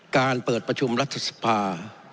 การเปิดประชุมรัฐสภา